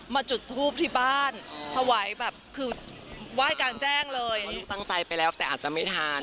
จุดทูบที่บ้านถวายแบบคือไหว้กลางแจ้งเลยลูกตั้งใจไปแล้วแต่อาจจะไม่ทาน